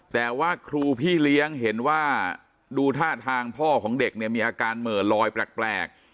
แต่ว่าครูพี่เลี้ยงเห็นว่าดูท่าทางพ่อของเด็กเนี่ยมีอาการเหม่อลอยแปลก